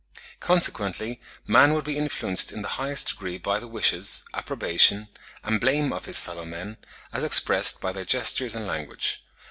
Consequently man would be influenced in the highest degree by the wishes, approbation, and blame of his fellow men, as expressed by their gestures and language.